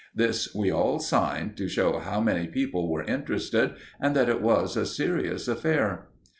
This we all signed, to show how many people were interested and that it was a serious affair.